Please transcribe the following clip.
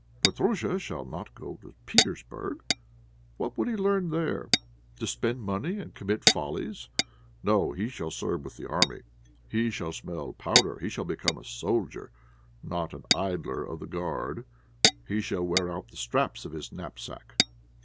Petróusha shall not go to Petersburg! What would he learn there? To spend money and commit follies. No, he shall serve with the army, he shall smell powder, he shall become a soldier and not an idler of the Guard, he shall wear out the straps of his knapsack.